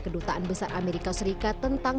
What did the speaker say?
kedutaan besar amerika serikat tentang